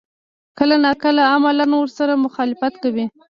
کله نا کله عملاً ورسره مخالفت کوي.